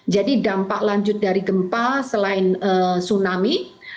jadi dampak lanjut dari gempa selain tsunami